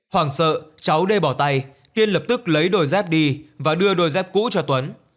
hoàng sợ cháu đê bỏ tay tiên lập tức lấy đôi dép đi và đưa đôi dép cũ cho tuấn